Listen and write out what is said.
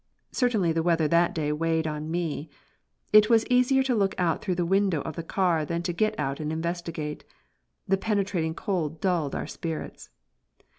Certainly the weather that day weighed on me. It was easier to look out through the window of the car than to get out and investigate. The penetrating cold dulled our spirits.